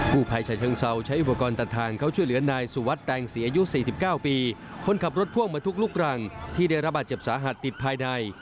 ภายชาเชิงเซาใช้อุปกรณ์ตัดทางเข้าช่วยเหลือนายสุวัสดิแตงศรีอายุ๔๙ปีคนขับรถพ่วงมาทุกลูกรังที่ได้รับบาดเจ็บสาหัสติดภายใน